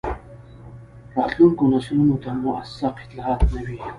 راتلونکو نسلونو ته موثق اطلاعات نه وي.